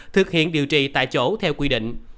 thực hiện điều trị tại chỗ theo quy định